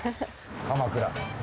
鎌倉。